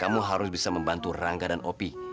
kamu harus bisa membantu rangga dan opi